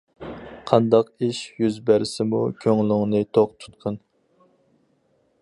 قانداق ئىش يۈز بەرسىمۇ كۆڭلۈڭنى توق تۇتقىن.